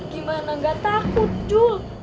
gimana gak takut jul